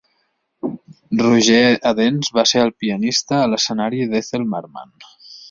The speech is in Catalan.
Roger Edens va ser el pianista a l'escenari d'Ethel Merman.